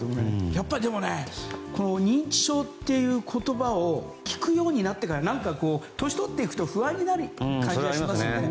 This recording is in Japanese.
やっぱり認知症という言葉を聞くようになってから年を取っていくと不安になる感じがしますよね。